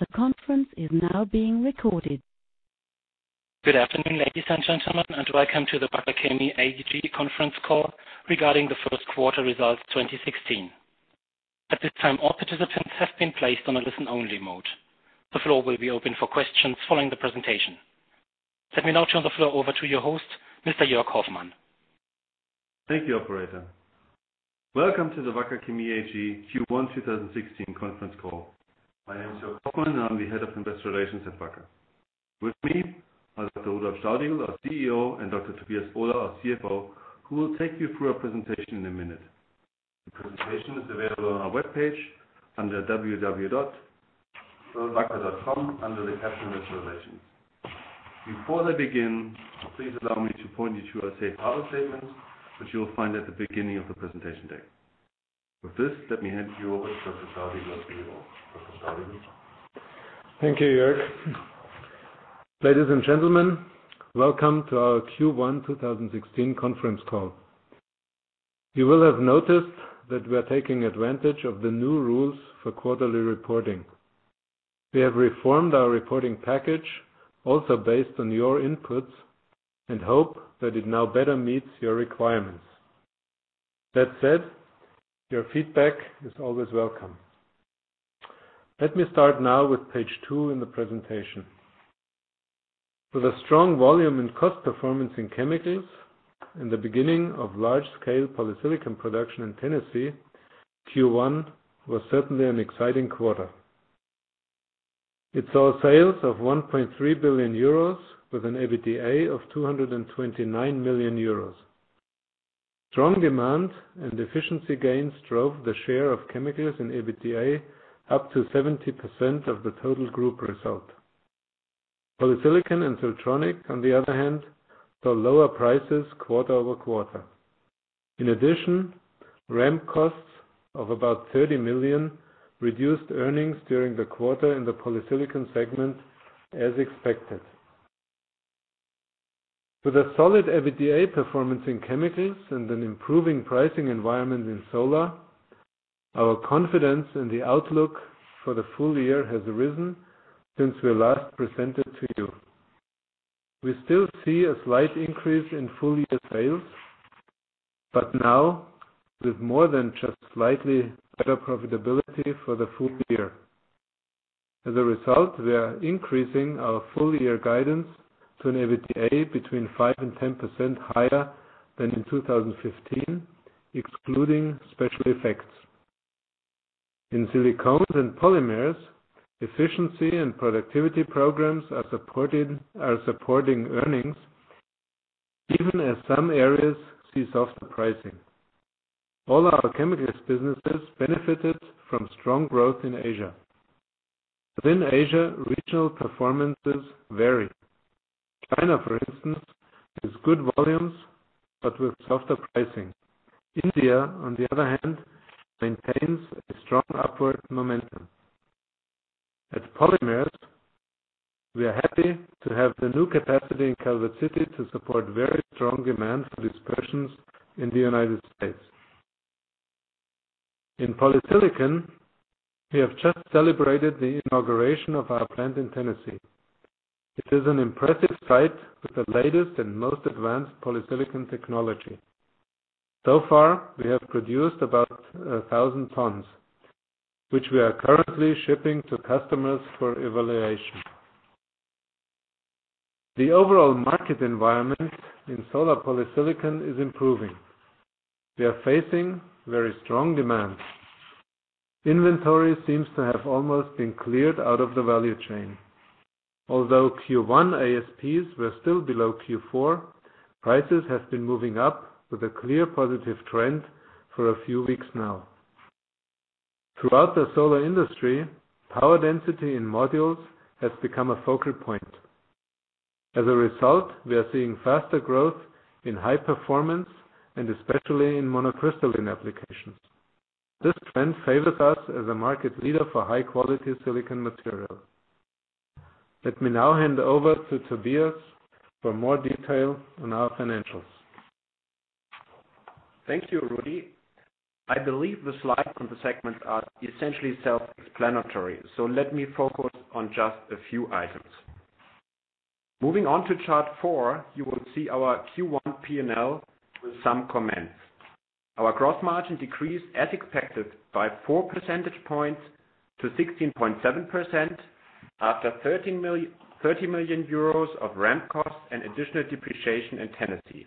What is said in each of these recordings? The conference is now being recorded. Good afternoon, ladies and gentlemen, welcome to the Wacker Chemie AG conference call regarding the first quarter results 2016. At this time, all participants have been placed on a listen-only mode. The floor will be open for questions following the presentation. Let me now turn the floor over to your host, Mr. Joerg Hoffmann. Thank you, operator. Welcome to the Wacker Chemie AG Q1 2016 conference call. My name is Joerg Hoffmann, and I'm the Head of Investor Relations at Wacker. With me are Dr. Rudolf Staudigl, our CEO, and Dr. Tobias Ohler, our CFO, who will take you through our presentation in a minute. The presentation is available on our webpage under wacker.com under the caption, Investor Relations. Before they begin, please allow me to point you to our safe harbor statement, which you will find at the beginning of the presentation deck. With this, let me hand you over to Dr. Staudigl, our CEO. Dr. Staudigl? Thank you, Joerg. Ladies and gentlemen, welcome to our Q1 2016 conference call. You will have noticed that we are taking advantage of the new rules for quarterly reporting. We have reformed our reporting package also based on your inputs, hope that it now better meets your requirements. That said, your feedback is always welcome. Let me start now with page two in the presentation. With a strong volume in cost performance in chemicals and the beginning of large-scale polysilicon production in Tennessee, Q1 was certainly an exciting quarter. It saw sales of 1.3 billion euros with an EBITDA of 229 million euros. Strong demand and efficiency gains drove the share of chemicals in EBITDA up to 70% of the total group result. Polysilicon and Siltronic, on the other hand, saw lower prices quarter-over-quarter. In addition, ramp costs of about 30 million reduced earnings during the quarter in the polysilicon segment as expected. With a solid EBITDA performance in chemicals and an improving pricing environment in solar, our confidence in the outlook for the full year has risen since we last presented to you. We still see a slight increase in full-year sales, but now with more than just slightly better profitability for the full year. As a result, we are increasing our full-year guidance to an EBITDA between 5% and 10% higher than in 2015, excluding special effects. In silicones and polymers, efficiency and productivity programs are supporting earnings even as some areas see softer pricing. All our chemicals businesses benefited from strong growth in Asia. Within Asia, regional performances vary. China, for instance, has good volumes but with softer pricing. India, on the other hand, maintains a strong upward momentum. At polymers, we are happy to have the new capacity in Calvert City to support very strong demand for dispersions in the U.S. In polysilicon, we have just celebrated the inauguration of our plant in Tennessee. It is an impressive site with the latest and most advanced polysilicon technology. So far, we have produced about 1,000 tons, which we are currently shipping to customers for evaluation. The overall market environment in solar polysilicon is improving. We are facing very strong demand. Inventory seems to have almost been cleared out of the value chain. Although Q1 ASPs were still below Q4, prices have been moving up with a clear positive trend for a few weeks now. Throughout the solar industry, power density in modules has become a focal point. As a result, we are seeing faster growth in high performance and especially in monocrystalline applications. This trend favors us as a market leader for high-quality silicon material. Let me now hand over to Tobias for more detail on our financials. Thank you, Rudi. I believe the slides on the segment are essentially self-explanatory, so let me focus on just a few items. Moving on to Chart four, you will see our Q1 P&L with some comments. Our gross margin decreased as expected by four percentage points to 16.7% after 30 million euros of ramp costs and additional depreciation in Tennessee.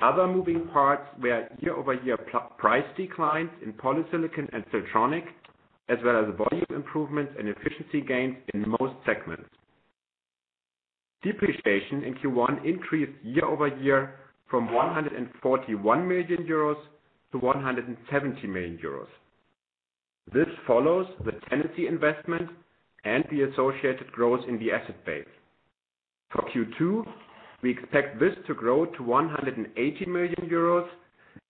Other moving parts were year-over-year price declines in polysilicon and Siltronic, as well as volume improvements and efficiency gains in most segments. Depreciation in Q1 increased year-over-year from 141 million euros to 170 million euros. This follows the Tennessee investment and the associated growth in the asset base. For Q2, we expect this to grow to 180 million euros,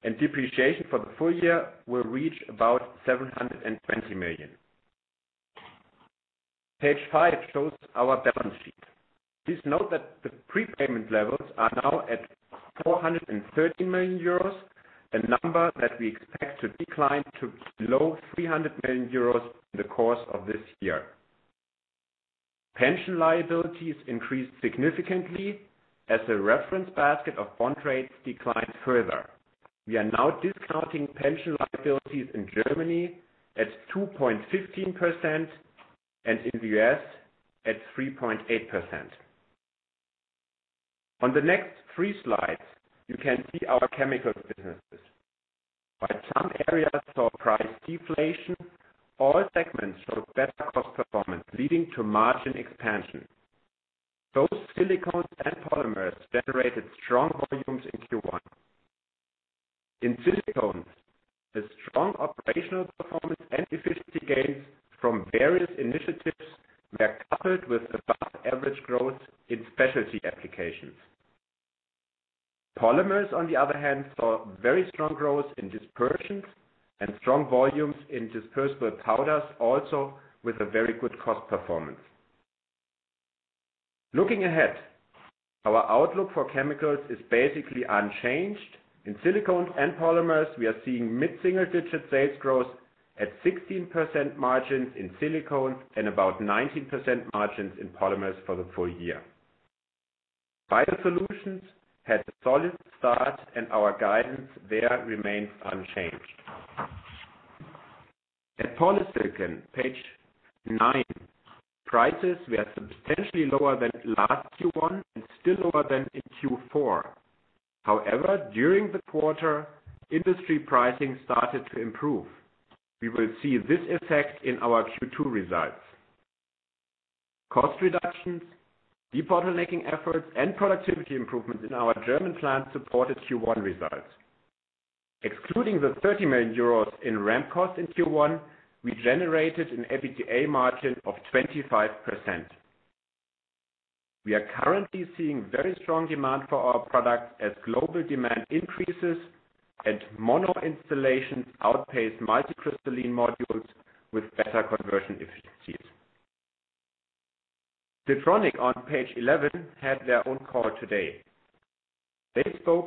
and depreciation for the full year will reach about 720 million. Page five shows our balance sheet. Please note that the prepayment levels are now at 430 million euros, a number that we expect to decline to below 300 million euros in the course of this year. Pension liabilities increased significantly as the reference basket of bond rates declined further. We are now discounting pension liabilities in Germany at 2.15% and in the U.S. at 3.8%. On the next three slides, you can see our chemicals businesses. While some areas saw price deflation, all segments showed better cost performance, leading to margin expansion. Both silicones and polymers generated strong volumes in Q1. In silicones, the strong operational performance and efficiency gains from various initiatives were coupled with above-average growth in specialty applications. Polymers, on the other hand, saw very strong growth in dispersions and strong volumes in dispersible powders, also with a very good cost performance. Looking ahead, our outlook for chemicals is basically unchanged. In silicones and polymers we are seeing mid-single-digit sales growth at 16% margins in silicone and about 19% margins in polymers for the full year. Biosolutions had a solid start, and our guidance there remains unchanged. At polysilicon, page nine, prices were substantially lower than last Q1 and still lower than in Q4. However, during the quarter, industry pricing started to improve. We will see this effect in our Q2 results. Cost reductions, destocking efforts, and productivity improvements in our German plant supported Q1 results. Excluding the 30 million euros in ramp costs in Q1, we generated an EBITDA margin of 25%. We are currently seeing very strong demand for our products as global demand increases and mono installations outpace multicrystalline modules with better conversion efficiencies. Siltronic, on page 11, had their own call today. They spoke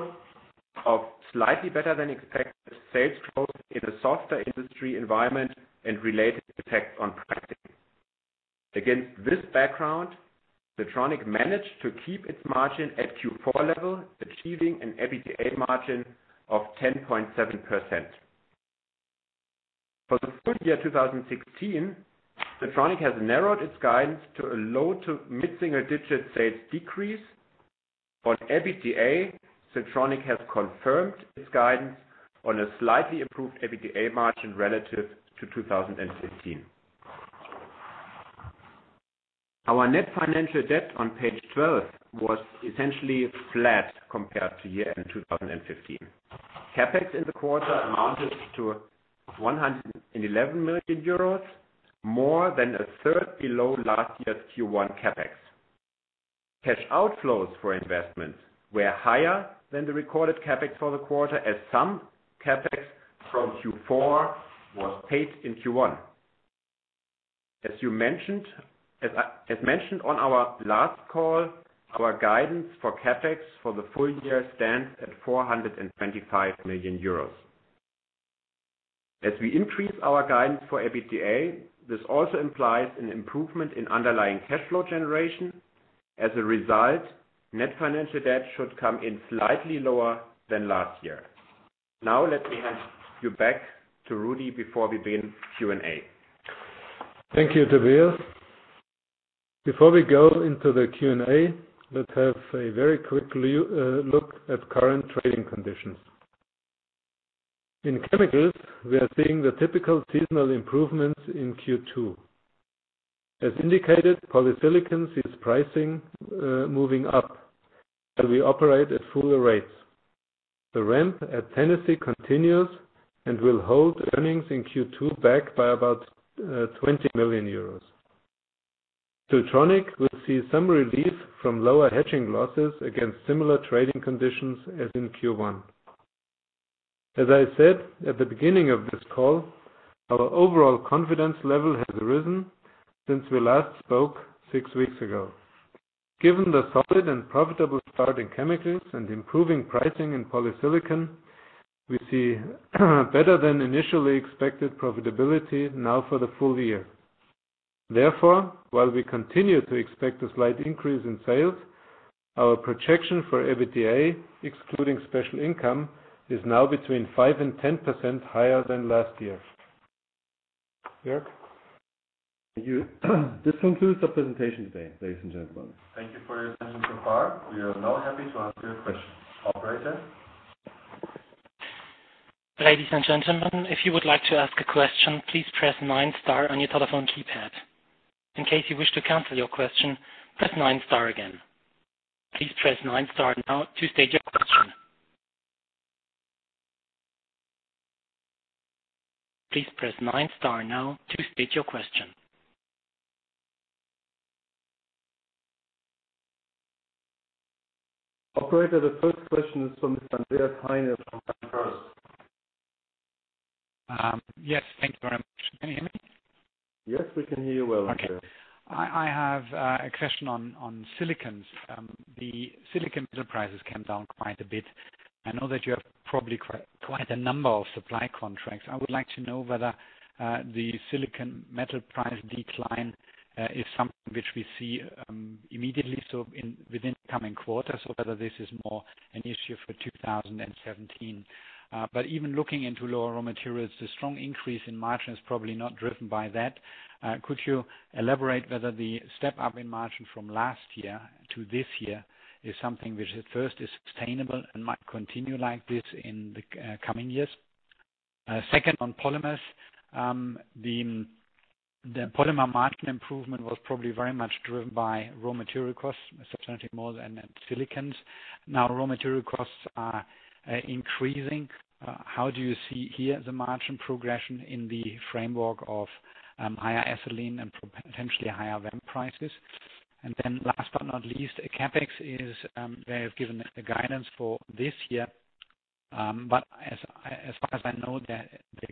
of slightly better than expected sales growth in a softer industry environment and related effects on pricing. Against this background, Siltronic managed to keep its margin at Q4 level, achieving an EBITDA margin of 10.7%. For the full year 2016, Siltronic has narrowed its guidance to a low to mid-single-digit sales decrease. On EBITDA, Siltronic has confirmed its guidance on a slightly improved EBITDA margin relative to 2015. Our net financial debt on page 12 was essentially flat compared to year-end 2015. CapEx in the quarter amounted to 111 million euros, more than a third below last year's Q1 CapEx. Cash outflows for investment were higher than the recorded CapEx for the quarter, as some CapEx from Q4 was paid in Q1. As mentioned on our last call, our guidance for CapEx for the full year stands at 425 million euros. As we increase our guidance for EBITDA, this also implies an improvement in underlying cash flow generation. As a result, net financial debt should come in slightly lower than last year. Let me hand you back to Rudi before we begin Q&A. Thank you, Tobias. Before we go into the Q&A, let's have a very quick look at current trading conditions. In chemicals, we are seeing the typical seasonal improvements in Q2. As indicated, polysilicon sees pricing moving up as we operate at fuller rates. The ramp at Tennessee continues and will hold earnings in Q2 back by about 20 million euros. Siltronic will see some relief from lower hedging losses against similar trading conditions as in Q1. As I said at the beginning of this call, our overall confidence level has risen since we last spoke six weeks ago. Given the solid and profitable start in chemicals and improving pricing in polysilicon, we see better than initially expected profitability now for the full year. Therefore, while we continue to expect a slight increase in sales, our projection for EBITDA, excluding special income, is now between 5%-10% higher than last year. Jorg? Thank you. This concludes the presentation today, ladies and gentlemen. Thank you for your attention so far. We are now happy to answer your questions. Operator? Ladies and gentlemen, if you would like to ask a question, please press nine star on your telephone keypad. In case you wish to cancel your question, press nine star again. Please press nine star now to state your question. Please press nine star now to state your question. Operator, the first question is from Andreas Heine from Bank of America. Yes. Thank you very much. Can you hear me? Yes, we can hear you well. Okay. I have a question on silicones. The silicon metal prices came down quite a bit. I know that you have probably quite a number of supply contracts. I would like to know whether the silicon metal price decline is something which we see immediately, so within the coming quarters, or whether this is more an issue for 2017. Even looking into lower raw materials, the strong increase in margin is probably not driven by that. Could you elaborate whether the step up in margin from last year to this year is something which at first is sustainable and might continue like this in the coming years? Second, on polymers. The polymer margin improvement was probably very much driven by raw material costs, substantially more than silicones. Now, raw material costs are increasing. How do you see here the margin progression in the framework of higher ethylene and potentially higher VAM prices? Last but not least, CapEx. They have given the guidance for this year. As far as I know, the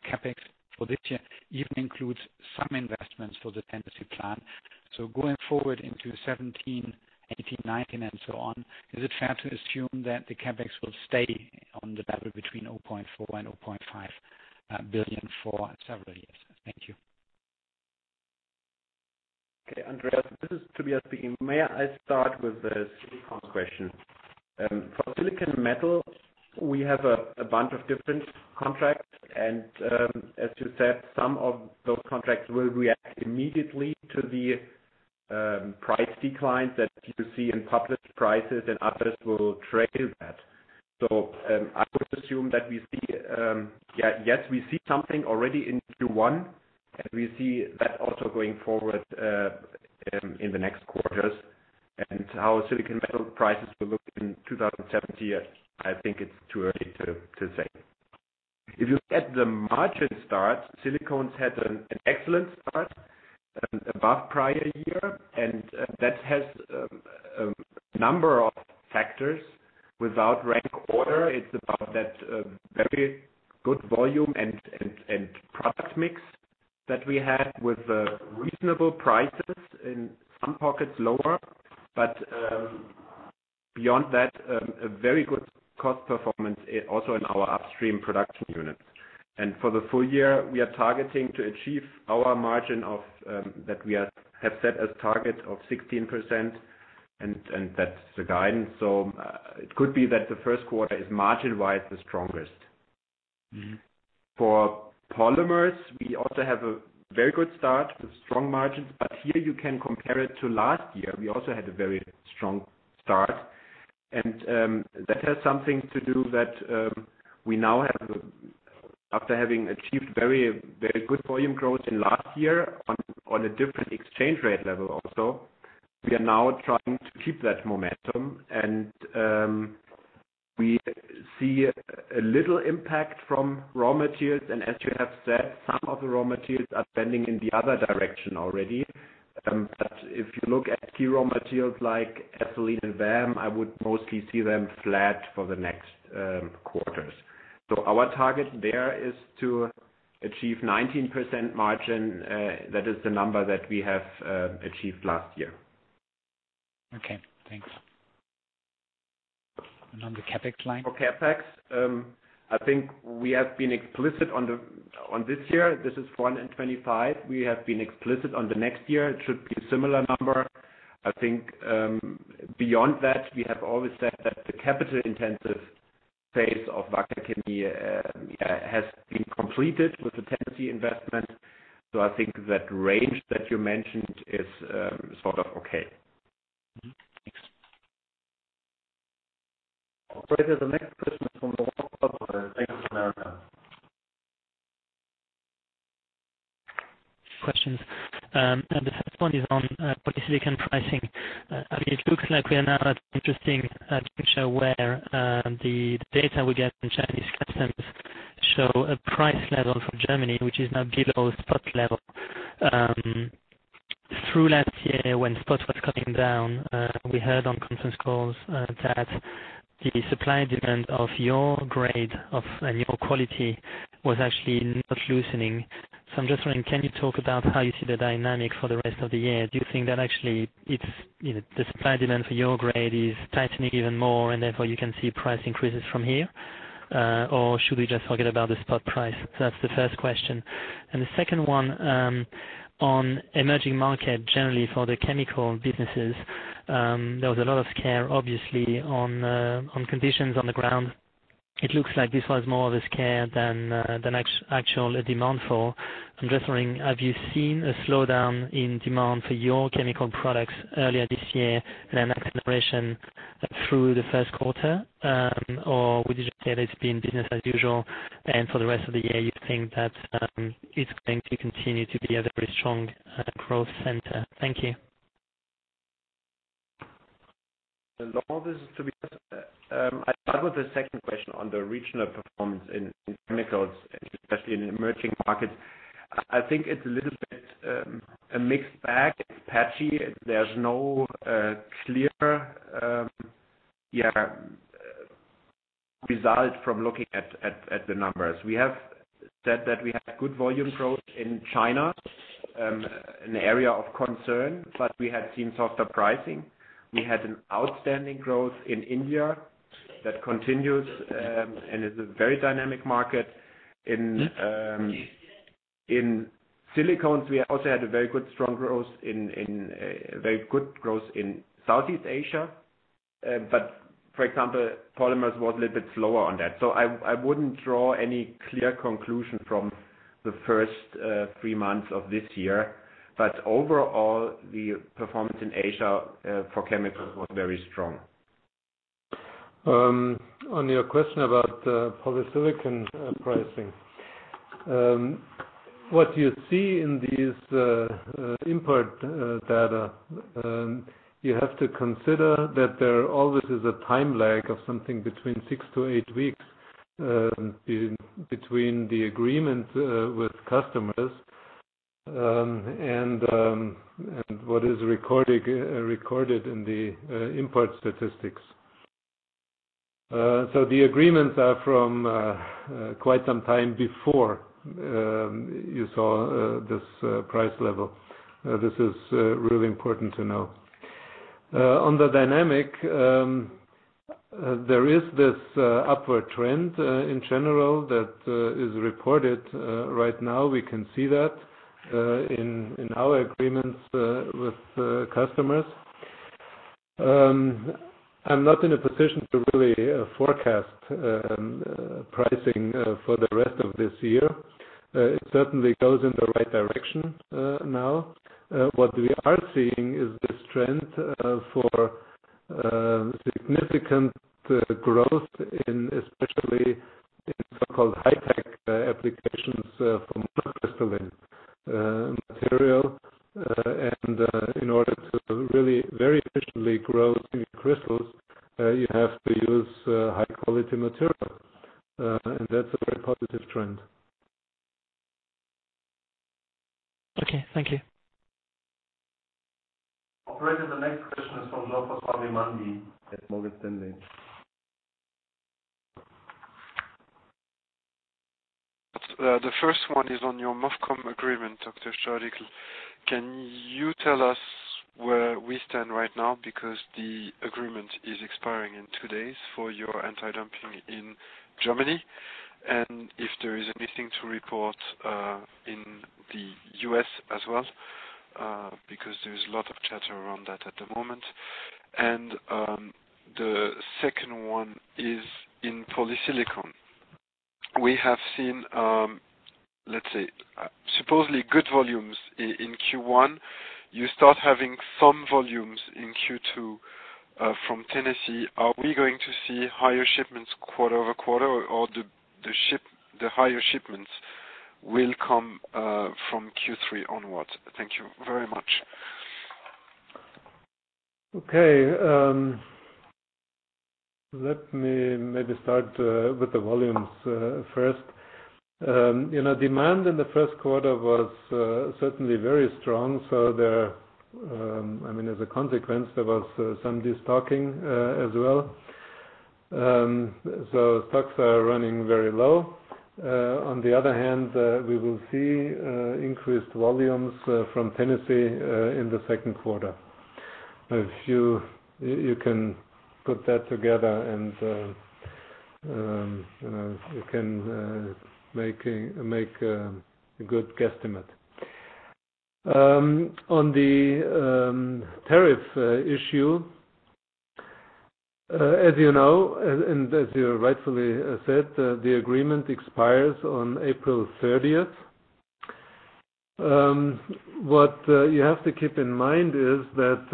CapEx for this year even includes some investments for the Tennessee plant. Going forward into 2017, 2018, 2019, and so on, is it fair to assume that the CapEx will stay on the level between 0.4 billion and 0.5 billion for several years? Thank you. Okay, Andreas, this is Tobias speaking. May I start with the silicones question? For silicon metal, we have a bunch of different contracts. As you said, some of those contracts will react immediately to the price declines that you see in public prices and others will trail that. I would assume that we see something already in Q1, we see that also going forward in the next quarters. How silicon metal prices will look in 2017, I think it's too early to say. If you look at the margin start, silicones had an excellent start above prior year, that has a number of factors without rank order. It's about that very good volume and product mix that we had with reasonable prices in some pockets lower. Beyond that, a very good cost performance also in our upstream production units. For the full year, we are targeting to achieve our margin that we have set as target of 16%, that's the guidance. It could be that the first quarter is margin-wise the strongest. For polymers, we also have a very good start with strong margins, here you can compare it to last year. We also had a very strong start, that has something to do that we now have, after having achieved very good volume growth in last year on a different exchange rate level also, we are now trying to keep that momentum. We see a little impact from raw materials. As you have said, some of the raw materials are trending in the other direction already. If you look at key raw materials like ethylene and VAM, I would mostly see them flat for the next quarters. Our target there is to achieve 19% margin. That is the number that we have achieved last year. Okay, thanks. On the CapEx line? For CapEx, I think we have been explicit on this year. This is 425. We have been explicit on the next year. It should be a similar number. I think beyond that, we have always said that the capital-intensive phase of Wacker Chemie has been completed with the Tennessee investment. I think that range that you mentioned is sort of okay. Thanks. Operator, the next question is from Laurent Favre, Bank of America. Questions. The first one is on polysilicon pricing. It looks like we are now at interesting juncture where the data we get from Chinese customs show a price level for Germany, which is now below spot level. Through last year when spot was coming down, we heard on conference calls that the supply-demand of your grade and your quality was actually not loosening. I'm just wondering, can you talk about how you see the dynamic for the rest of the year? Do you think that actually the supply-demand for your grade is tightening even more, and therefore you can see price increases from here? Or should we just forget about the spot price? That's the first question. The second one, on emerging market, generally for the chemical businesses. There was a lot of scare, obviously, on conditions on the ground. It looks like this was more of a scare than actual demand fall. I'm just wondering, have you seen a slowdown in demand for your chemical products earlier this year and an acceleration through the first quarter? Or would you just say that it's been business as usual, and for the rest of the year, you think that it's going to continue to be a very strong growth center? Thank you. Laurent, this is Tobias. I'll start with the second question on the regional performance in chemicals, especially in emerging markets. I think it's a little bit a mixed bag. It's patchy. There's no clear result from looking at the numbers. We have said that we have good volume growth in China, an area of concern, but we had seen softer pricing. We had an outstanding growth in India that continues and is a very dynamic market. In silicones, we also had a very good growth in Southeast Asia. For example, polymers was a little bit slower on that. I wouldn't draw any clear conclusion from the first three months of this year. Overall, the performance in Asia for chemicals was very strong. On your question about polysilicon pricing. What you see in these import data, you have to consider that there always is a time lag of something between six to eight weeks between the agreement with customers, and what is recorded in the import statistics. The agreements are from quite some time before you saw this price level. This is really important to know. On the dynamic, there is this upward trend in general that is reported right now. We can see that in our agreements with customers. I'm not in a position to really forecast pricing for the rest of this year. It certainly goes in the right direction now. What we are seeing is this trend for significant growth in especially in so-called high-tech applications for monocrystalline material. In order to really very efficiently grow crystals, you have to use high-quality material. That's a very positive trend. Okay. Thank you. Operator, the next question is from Jean-Francois Mazaud at Morgan Stanley. The first one is on your MOFCOM agreement, Dr. Staudigl. Can you tell us where we stand right now because the agreement is expiring in two days for your anti-dumping in Germany? If there is anything to report in the U.S. as well, because there is a lot of chatter around that at the moment. The second one is in polysilicon. We have seen, let's say, supposedly good volumes in Q1. You start having some volumes in Q2 from Tennessee. Are we going to see higher shipments quarter-over-quarter, or the higher shipments will come from Q3 onwards? Thank you very much. Okay. Let me maybe start with the volumes first. Demand in the first quarter was certainly very strong. As a consequence, there was some destocking as well. Stocks are running very low. On the other hand, we will see increased volumes from Tennessee in the second quarter. You can put that together and you can make a good guesstimate. On the tariff issue, as you know, and as you rightfully said, the agreement expires on April 30th. What you have to keep in mind is that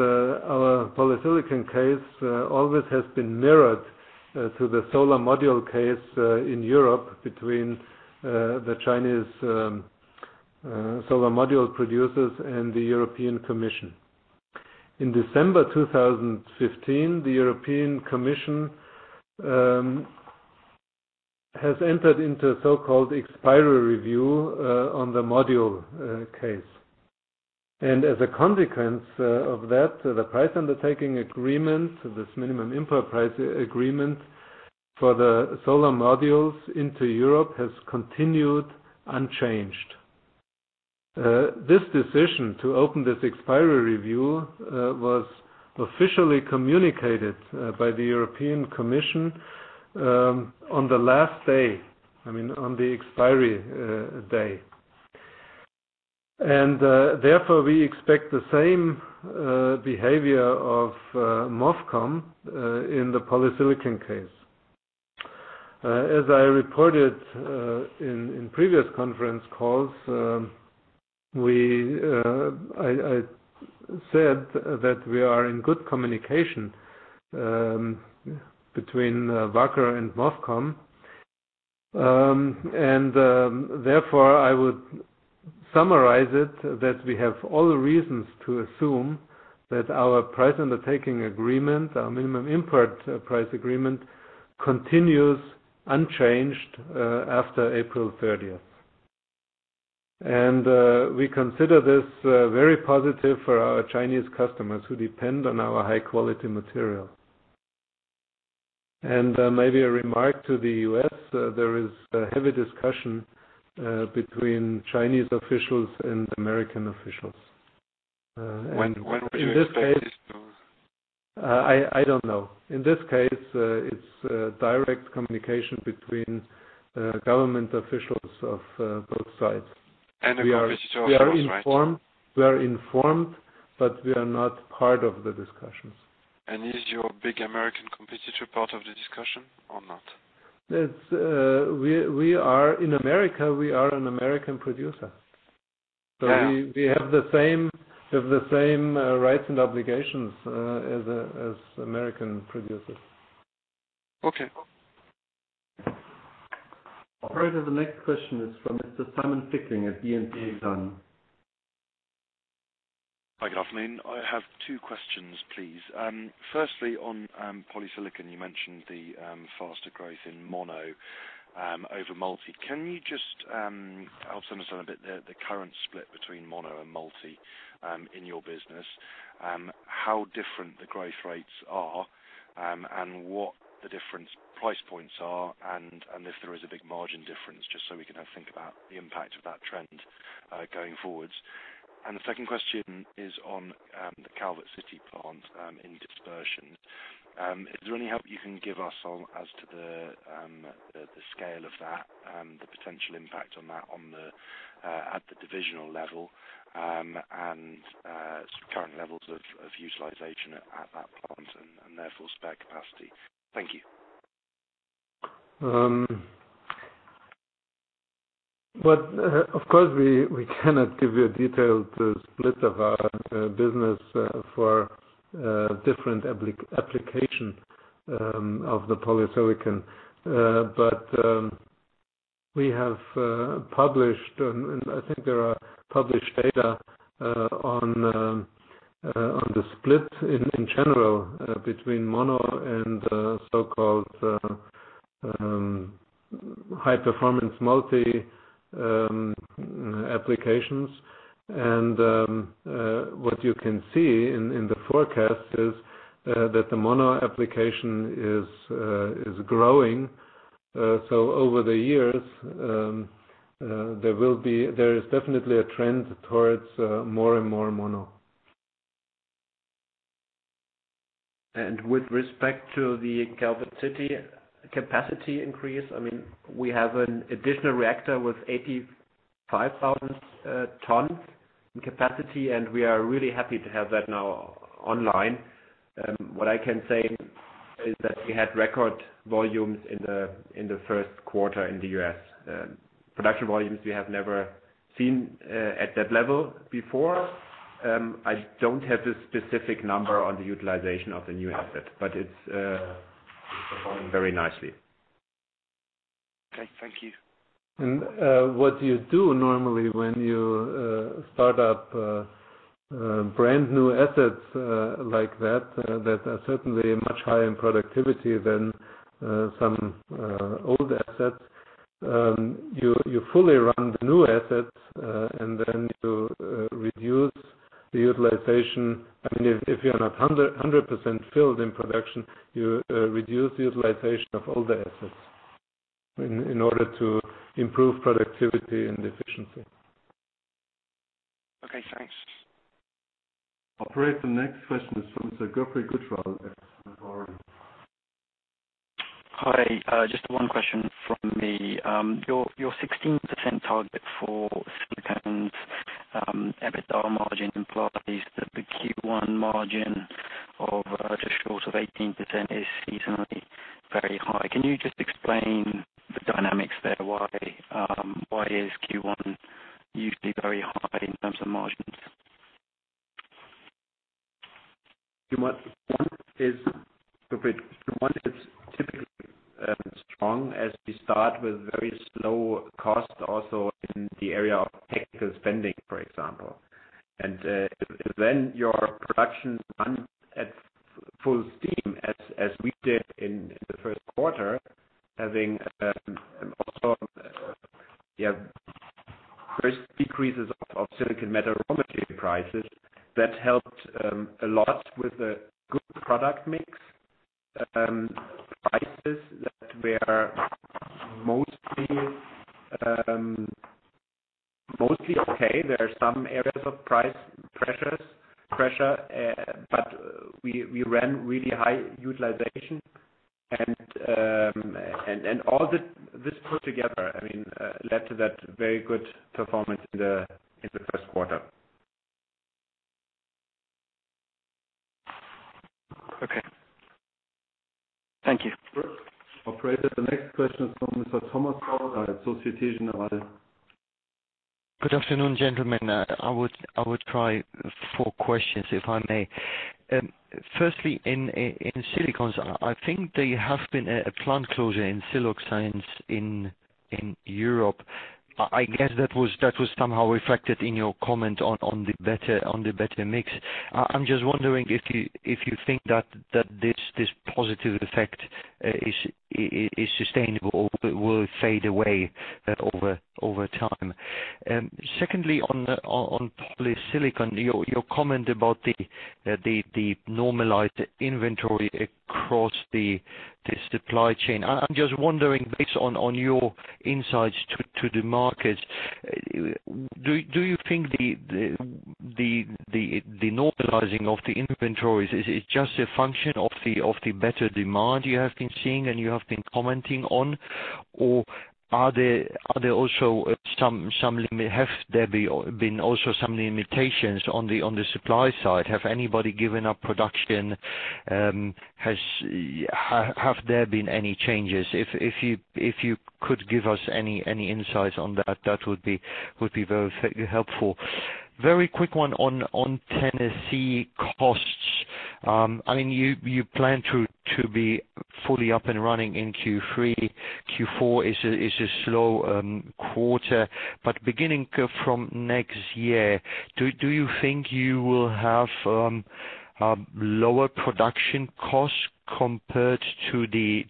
our polysilicon case always has been mirrored to the solar module case in Europe between the Chinese solar module producers and the European Commission. In December 2015, the European Commission has entered into a so-called expiry review on the module case. As a consequence of that, the price undertaking agreement, this minimum import price agreement for the solar modules into Europe has continued unchanged. This decision to open this expiry review was officially communicated by the European Commission on the last day, on the expiry day. Therefore, we expect the same behavior of MOFCOM in the polysilicon case. As I reported in previous conference calls, I said that we are in good communication between Wacker and MOFCOM. Therefore, I would summarize it that we have all the reasons to assume that our price undertaking agreement, our minimum import price agreement, continues unchanged after April 30th. We consider this very positive for our Chinese customers who depend on our high-quality material. Maybe a remark to the U.S., there is a heavy discussion between Chinese officials and American officials. When would you expect this to- I don't know. In this case, it's a direct communication between government officials of both sides. The competitor officials, right? We are informed, but we are not part of the discussions. Is your big American competitor part of the discussion or not? In America, we are an American producer. Yeah. We have the same rights and obligations as American producers. Okay. Operator, the next question is from Mr. Simon Fickling at BNP Paribas. Hi, good afternoon. I have two questions, please. Firstly, on polysilicon, you mentioned the faster growth in mono over multi. Can you just help us understand a bit the current split between mono and multi in your business? How different the growth rates are, and what the different price points are, and if there is a big margin difference, just so we can have a think about the impact of that trend going forwards. The second question is on the Calvert City plant in dispersion. Is there any help you can give us as to the scale of that, the potential impact on that at the divisional level, and current levels of utilization at that plant and therefore spare capacity? Thank you. Of course, we cannot give you a detailed split of our business for different application of the polysilicon. We have published, and I think there are published data on the split in general between mono and the so-called high-performance multi applications. What you can see in the forecast is that the mono application is growing. Over the years, there is definitely a trend towards more and more mono. With respect to the Calvert City capacity increase, we have an additional reactor with 85,000 ton capacity, and we are really happy to have that now online. What I can say is that we had record volumes in the first quarter in the U.S. Production volumes we have never seen at that level before. I don't have the specific number on the utilization of the new asset, but it's performing very nicely. Okay. Thank you. What you do normally when you start up brand-new assets like that are certainly much higher in productivity than some old assets, you fully run the new assets, and then to reduce the utilization. If you're not 100% filled in production, you reduce the utilization of older assets in order to improve productivity and efficiency. Okay, thanks. Operator, the next question is from Sir Geoff Haire at Berenberg. Hi. Just one question from me. Your 16% target for silicon EBITDA margin implies that the Q1 margin of just short of 18% is seasonally very high. Can you just explain the dynamics there? Why is Q1 usually very high in terms of margins? Q1 is typically strong as we start with very slow costs also in the area of technical spending, for example. Your production runs at full steam, as we did in the first quarter, having also first decreases of silicon metal prices. That helped a lot with a good product mix. Prices that were mostly okay. There are some areas of price pressure, but we ran really high utilization. All this put together led to that very good performance in the first quarter. Okay. Thank you. Operator, the next question is from Mr. Thomas Swoboda at Société Générale. Good afternoon, gentlemen. I would try four questions, if I may. Firstly, in silicones, I think there has been a plant closure in siloxanes in Europe. I guess that was somehow reflected in your comment on the better mix. I'm just wondering if you think that this positive effect is sustainable or will fade away over time. Secondly, on polysilicon, your comment about the normalized inventory across the supply chain. I'm just wondering, based on your insights to the markets, do you think the normalizing of the inventories is just a function of the better demand you have been seeing and you have been commenting on? Or have there been also some limitations on the supply side? Have anybody given up production? Have there been any changes? If you could give us any insights on that would be very helpful. Very quick one on Tennessee costs. You plan to be fully up and running in Q3. Q4 is a slow quarter. Beginning from next year, do you think you will have lower production costs compared to the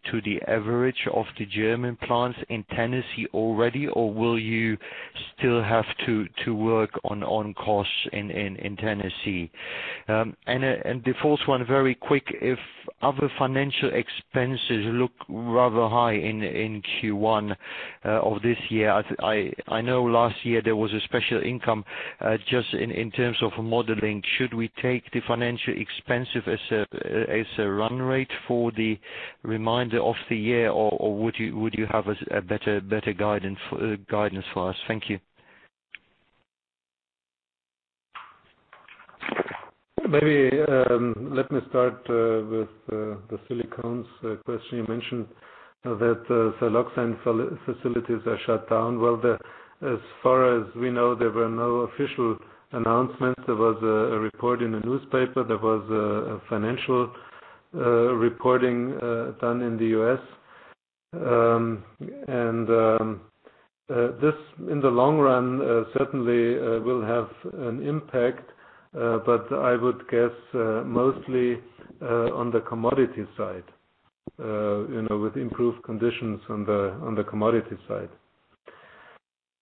average of the German plants in Tennessee already, or will you still have to work on costs in Tennessee? The fourth one, very quick. If other financial expenses look rather high in Q1 of this year, I know last year there was a special income. Just in terms of modeling, should we take the financial expenses as a run rate for the remainder of the year, or would you have a better guidance for us? Thank you. Maybe let me start with the silicones question. You mentioned that siloxane facilities are shut down. Well, as far as we know, there were no official announcements. There was a report in the newspaper. There was a financial reporting done in the U.S. This, in the long run, certainly will have an impact. I would guess mostly on the commodity side, with improved conditions on the commodity side.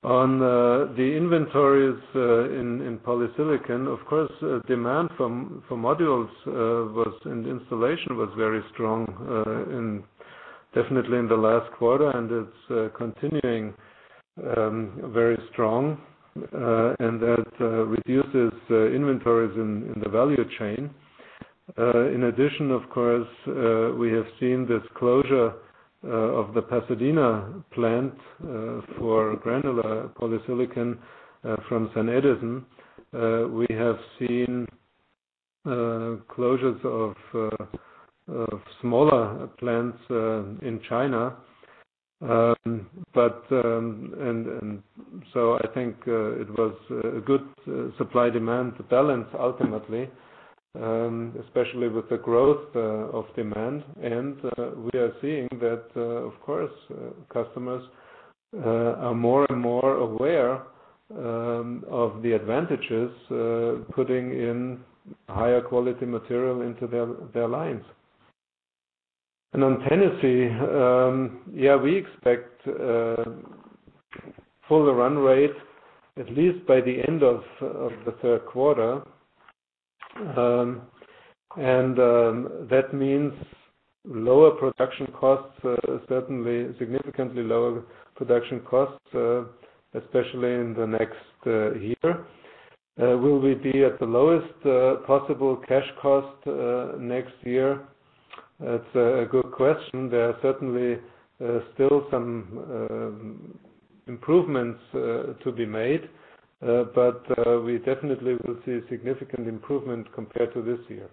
On the inventories in polysilicon, of course, demand for modules and installation was very strong definitely in the last quarter, and it's continuing very strong. That reduces inventories in the value chain. In addition, of course, we have seen this closure of the Pasadena plant for granular polysilicon from SunEdison. We have seen closures of smaller plants in China. I think it was a good supply-demand balance ultimately, especially with the growth of demand. We are seeing that, of course, customers are more and more aware of the advantages, putting in higher quality material into their lines. On Tennessee, we expect full run rate at least by the end of the 3rd quarter. That means lower production costs, certainly significantly lower production costs, especially in the next year. Will we be at the lowest possible cash cost next year? There are certainly still some improvements to be made. We definitely will see a significant improvement compared to this year.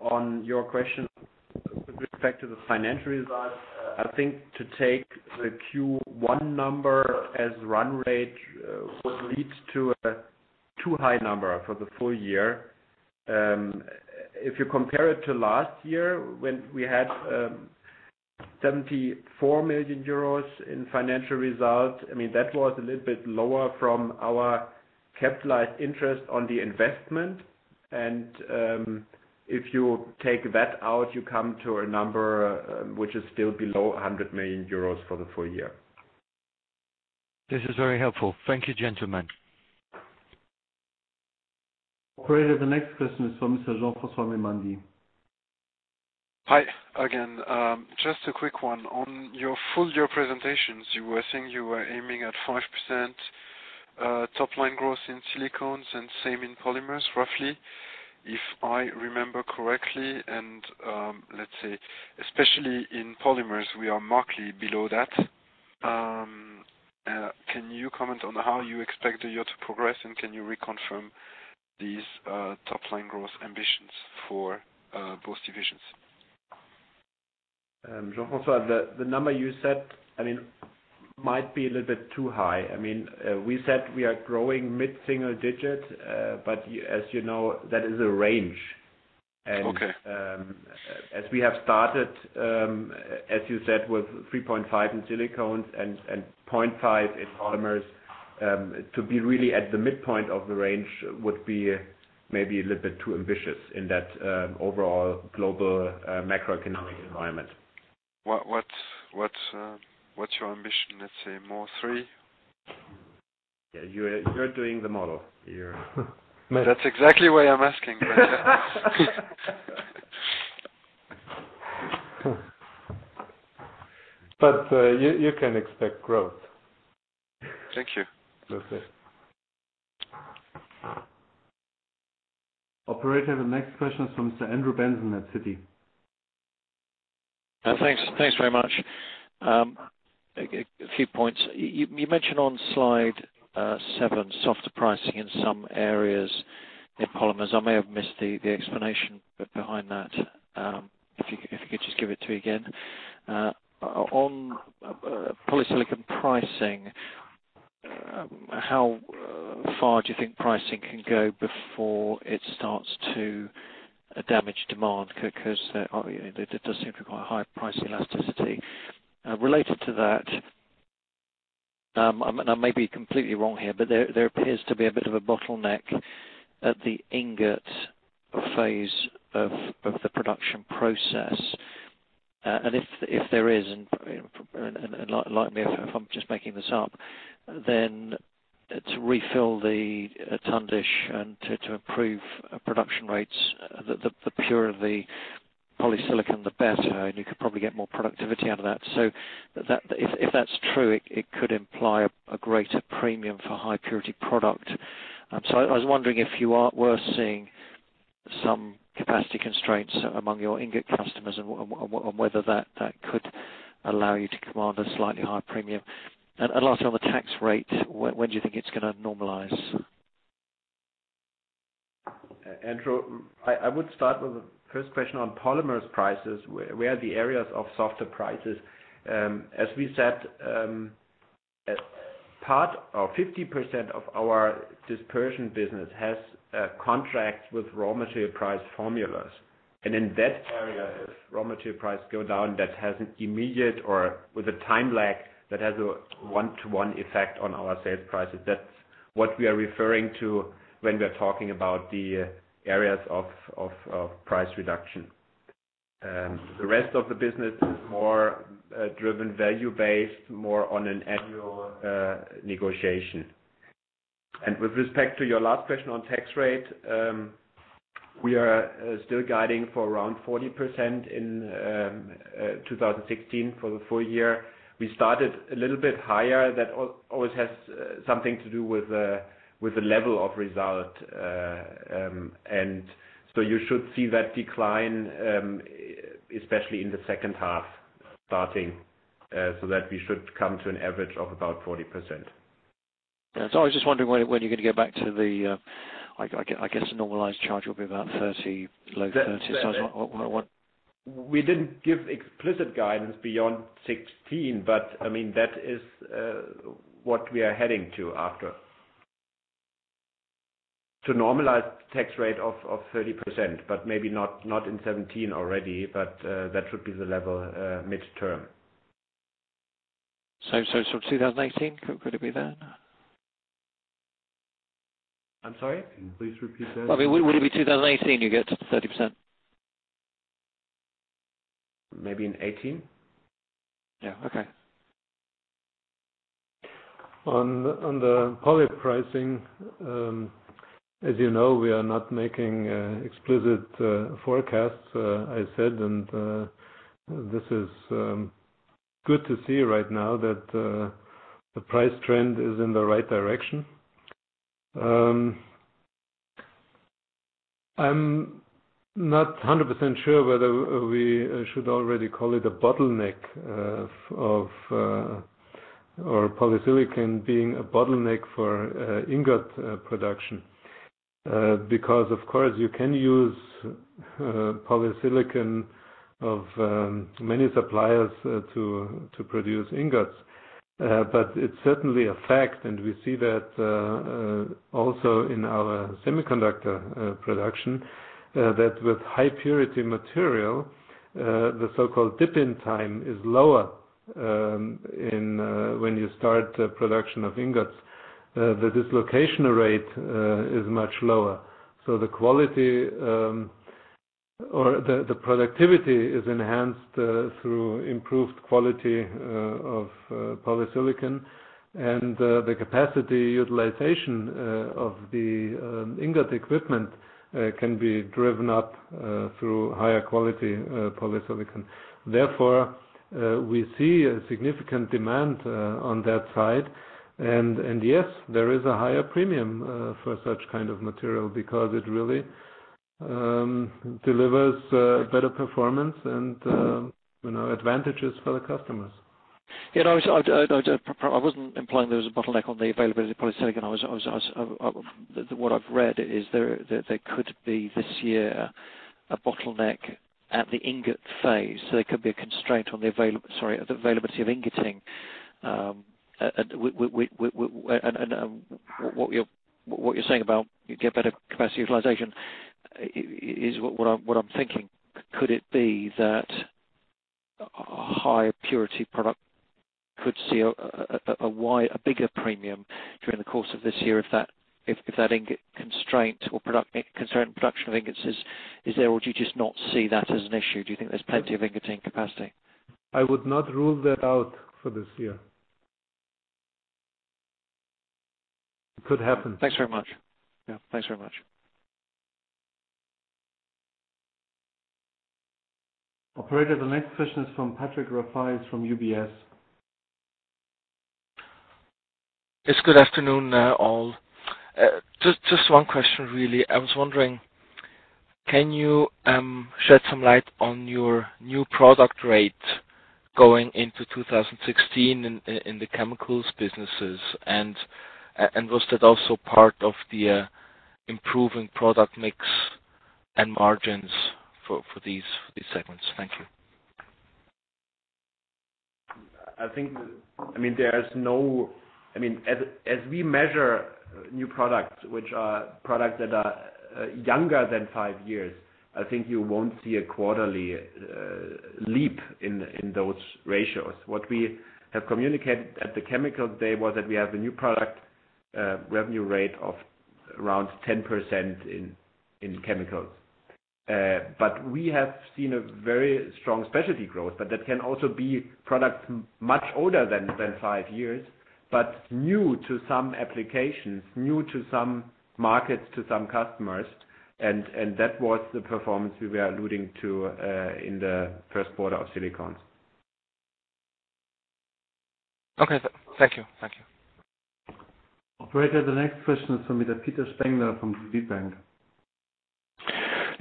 On your question with respect to the financial results, I think to take the Q1 number as run rate would lead to a too high number for the full year. If you compare it to last year when we had 74 million euros in financial results, that was a little bit lower from our capitalized interest on the investment. If you take that out, you come to a number which is still below 100 million euros for the full year. This is very helpful. Thank you, gentlemen. Operator, the next question is from Mr. Jean-François Meymandi. Hi again. Just a quick one. On your full-year presentations, you were saying you were aiming at 5% top-line growth in silicones and same in polymers, roughly, if I remember correctly. Let's say, especially in polymers, we are markedly below that. Can you comment on how you expect the year to progress, and can you reconfirm these top-line growth ambitions for both divisions? Jean-Francois, the number you said might be a little bit too high. We said we are growing mid-single digits. As you know, that is a range. Okay We have started, as you said, with 3.5 in silicones and 0.5 in polymers, to be really at the midpoint of the range would be maybe a little bit too ambitious in that overall global macroeconomic environment. What's your ambition? Let's say more three? Yeah. You're doing the model. That's exactly why I'm asking. You can expect growth. Thank you. You're welcome. Operator, the next question is from Sir Andrew Benson at Citi. Thanks very much. A few points. You mentioned on slide seven, softer pricing in some areas in polymers. I may have missed the explanation behind that. If you could just give it to me again. On polysilicon pricing, how far do you think pricing can go before it starts to damage demand? It does seem to be quite a high price elasticity. Related to that, I may be completely wrong here, there appears to be a bit of a bottleneck at the ingot phase of the production process. If there is, and lighten me if I'm just making this up, then to refill the tundish and to improve production rates, the purer the polysilicon, the better, and you could probably get more productivity out of that. If that's true, it could imply a greater premium for high purity product. I was wondering if you are worse seeing some capacity constraints among your ingot customers, and whether that could allow you to command a slightly higher premium. Last, on the tax rate, when do you think it's going to normalize? Andrew, I would start with the first question on polymers prices, where are the areas of softer prices. As we said, part or 50% of our dispersion business has contracts with raw material price formulas. In that area, if raw material price go down, that has an immediate or with a time lag, that has a one-to-one effect on our sales prices. That's what we are referring to when we're talking about the areas of price reduction. The rest of the business is more driven value-based, more on an annual negotiation. With respect to your last question on tax rate, we are still guiding for around 40% in 2016 for the full year. We started a little bit higher. That always has something to do with the level of result. You should see that decline, especially in the second half starting, so that we should come to an average of about 40%. Yeah. I was just wondering when you're going to go back to the, I guess normalized charge will be about 30, low 30s. We didn't give explicit guidance beyond 2016, that is what we are heading to after. To normalize tax rate of 30%, maybe not in 2017 already, that should be the level midterm. 2018, could it be then? I'm sorry? Can you please repeat that? Will it be 2018, you get to 30%? Maybe in 2018. Yeah. Okay. On the poly pricing, as you know, we are not making explicit forecasts, I said. This is good to see right now that the price trend is in the right direction. I'm not 100% sure whether we should already call it polysilicon being a bottleneck for ingot production. Of course you can use polysilicon of many suppliers to produce ingots. It's certainly a fact, and we see that also in our semiconductor production, that with high purity material, the so-called dip-in time is lower when you start production of ingots. The dislocation rate is much lower. The quality or the productivity is enhanced through improved quality of polysilicon, and the capacity utilization of the ingot equipment can be driven up through higher quality polysilicon. Therefore, we see a significant demand on that side. Yes, there is a higher premium for such kind of material because it really delivers better performance and advantages for the customers. Yeah. I wasn't implying there was a bottleneck on the availability of polysilicon. What I've read is there could be this year a bottleneck at the ingot phase. There could be a constraint on the availability of ingot. What you're saying about you get better capacity utilization is what I'm thinking. Could it be that a higher purity product could see a bigger premium during the course of this year if that ingot constraint or concern production of ingots is there, do you just not see that as an issue? Do you think there's plenty of ingot capacity? I would not rule that out for this year. It could happen. Thanks very much. Yeah. Thanks very much. Operator, the next question is from Patrick Rafaisz from UBS. Yes, good afternoon, all. Just one question, really. I was wondering, can you shed some light on your new product rate going into 2016 in the chemicals businesses? Was that also part of the improving product mix and margins for these segments? Thank you. I think, as we measure new products, which are products that are younger than five years, I think you won't see a quarterly leap in those ratios. What we have communicated at the Chemical Day was that we have a new product revenue rate of around 10% in chemicals. We have seen a very strong specialty growth, but that can also be products much older than five years, but new to some applications, new to some markets, to some customers, and that was the performance we were alluding to in the first quarter of silicon. Okay. Thank you. Operator, the next question is from Peter Spengler from DZ Bank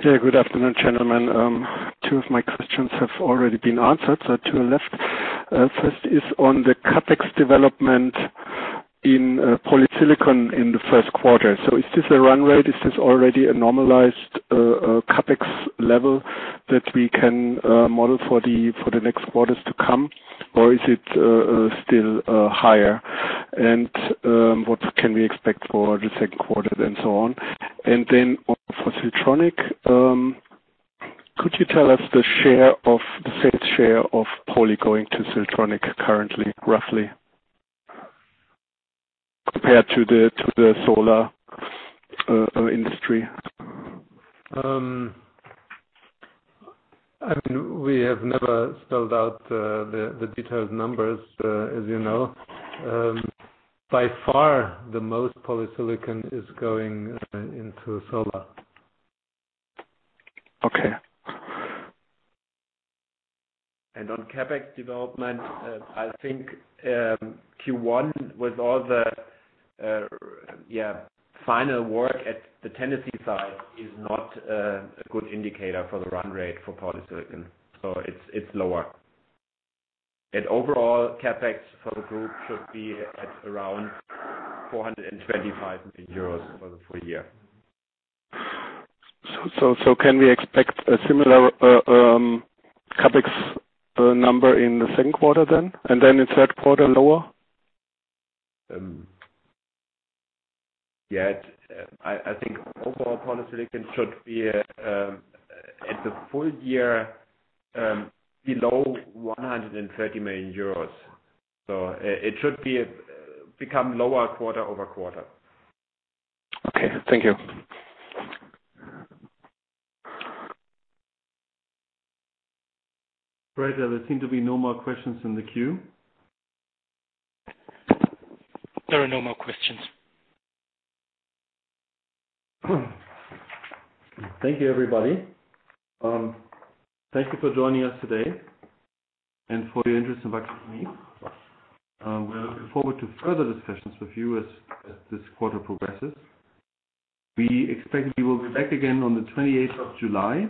AG. Good afternoon, gentlemen. Two of my questions have already been answered, so two are left. First is on the CapEx development in polysilicon in the first quarter. Is this a run rate? Is this already a normalized CapEx level that we can model for the next quarters to come? Is it still higher? What can we expect for the second quarter and so on? For Siltronic, could you tell us the sales share of poly going to Siltronic currently, roughly? Compared to the solar industry. We have never spelled out the detailed numbers, as you know. By far, the most polysilicon is going into solar. Okay. On CapEx development, I think Q1 with all the final work at the Tennessee site is not a good indicator for the run rate for polysilicon. It's lower. Overall CapEx for the group should be at around 425 million euros for the full year. Can we expect a similar CapEx number in the second quarter then? Then in third quarter, lower? Yeah. I think overall polysilicon should be, at the full year, below 130 million euros. It should become lower quarter-over-quarter. Okay. Thank you. Great. There seem to be no more questions in the queue. There are no more questions. Thank you, everybody. Thank you for joining us today and for your interest in Wacker Chemie. We are looking forward to further discussions with you as this quarter progresses. We expect we will be back again on the 28th of July,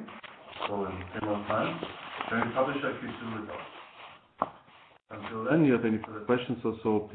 so in 10 months time. We publish our Q2 results. Until then, if you have any further questions or so.